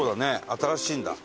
新しいんだ